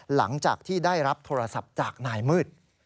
หลังจากที่ได้รับโทรศัพท์จากนายมืด